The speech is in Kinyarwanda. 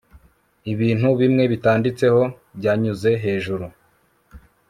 Ibiti bimwe bitanditseho byanyuze hejuru